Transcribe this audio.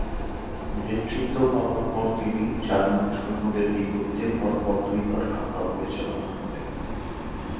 নেতৃত্ব পাবার পর তিনি জার্মান সৈন্যদের বিপরীতে পর পর দুইবার হামলা পরিচালনা করেন।